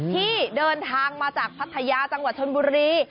ที่เดินทางมาจากพัทยาจังหวัดชนบุรี